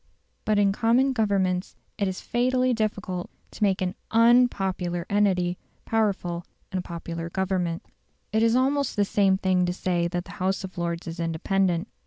But in common Governments it is fatally difficult to make an UNpopular entity powerful in a popular Government. It is almost the same thing to say that the House of Lords is independent.